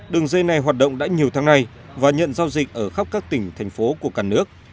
đường dây này hoạt động đã nhiều tháng nay và nhận giao dịch ở khắp các tỉnh thành phố của cả nước